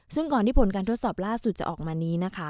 ซึ่งก่อนที่ผลการทดสอบล่าสุดจะออกมานี้นะคะ